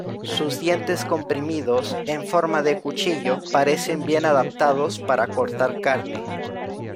Sus dientes comprimidos, en forma de cuchillo parecen bien adaptados para cortar carne.